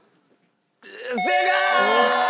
正解！